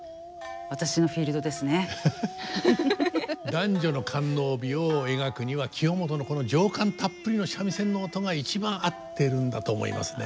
男女の官能美を描くには清元のこの情感たっぷりの三味線の音が一番合ってるんだと思いますね。